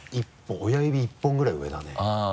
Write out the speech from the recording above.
親指１本ぐらい上だね。